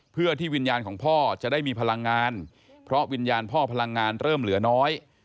เพื่อที่วิญญาณของพ่อจะได้มีพลังงานเพราะวิญญาณพ่อพลังงานเริ่มเหลือน้อย